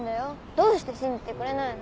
どうして信じてくれないの？